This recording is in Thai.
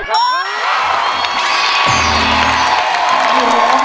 ได้